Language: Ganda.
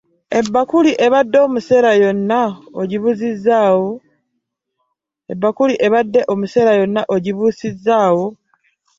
Ebbakuli ebadde omusera yonna ogibuusizzaawo?